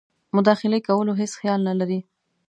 مداخلې کولو هیڅ خیال نه لري.